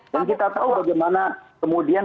dan kita tahu bagaimana kemudian